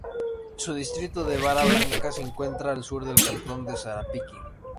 Su distrito de Vara Blanca se encuentra al sur del cantón de Sarapiquí.